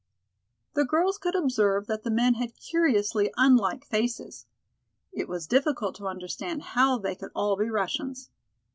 The girls could observe that the men had curiously unlike faces. It was difficult to understand how they could all be Russians.